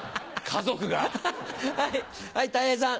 はいたい平さん。